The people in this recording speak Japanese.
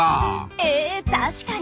ええ確かに！